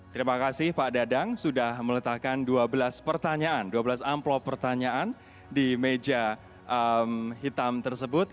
terima kasih pak dadang sudah meletakkan dua belas pertanyaan dua belas amplop pertanyaan di meja hitam tersebut